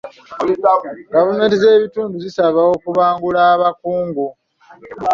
Gavumenti z'ebitundu zisaba okubangula abakungu.